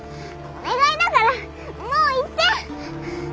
お願いだからもう行って。